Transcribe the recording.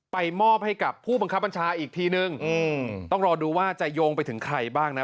มอบให้กับผู้บังคับบัญชาอีกทีนึงต้องรอดูว่าจะโยงไปถึงใครบ้างนะ